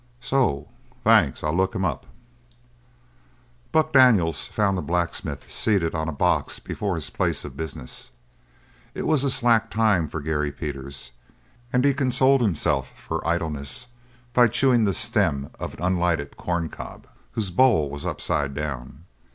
"So? Thanks; I'll look him up." Buck Daniels found the blacksmith seated on a box before his place of business; it was a slack time for Gary Peters and he consoled himself for idleness by chewing the stem of an unlighted corn cob, whose bowl was upside down.